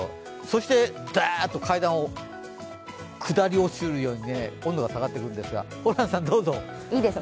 そしてダーッと階段を下り落ちるように温度が下がっていくんですが。